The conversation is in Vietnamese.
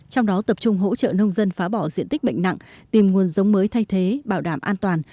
trong đó tập trung hỗ trợ nông dân phá bỏ diện tích bệnh nặng tìm nguồn giống mới thay thế bảo đảm an toàn